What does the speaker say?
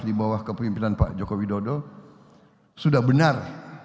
di bawah kepemimpinan pak jokowi dodo sudah benar